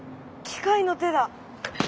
機械の手だ。